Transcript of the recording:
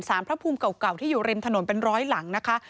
พระภูมิเก่าที่อยู่ริมถนนเป็นร้อยหลังนะคะ